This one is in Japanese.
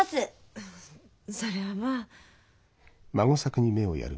うんそれはまあ。